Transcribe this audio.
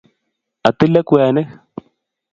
Atile kwenik